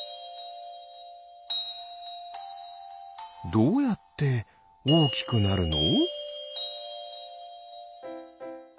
どうやっておおきくなるの？